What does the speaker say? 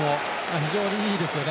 非常にいいですよね。